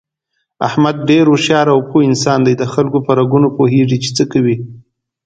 احمد ډېر هوښیار او پوه انسان دی دخلکو په رګونو پوهېږي، چې څه کوي...